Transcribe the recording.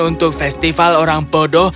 untuk festival orang bodoh